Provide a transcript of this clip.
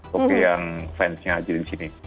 kopi yang fansnya aja di sini